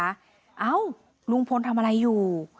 เอ้าลุงพลทำอะไรอยู่